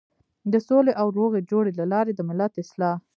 د سولې او روغې جوړې له لارې د ملت اصلاح.